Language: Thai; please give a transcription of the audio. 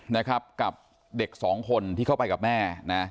นะครับกับเด็กสองคนที่เข้าไปกับแม่นะ